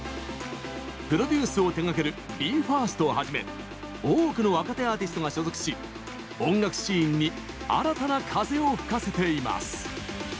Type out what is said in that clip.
プロデュースを手がけるＢＥ：ＦＩＲＳＴをはじめ多くの若手アーティストが所属し音楽シーンに新たな風を吹かせています！